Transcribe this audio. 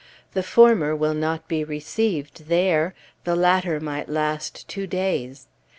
The former will not be received there, the latter might last two days.